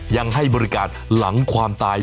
ยังให้บริการหลังความตาย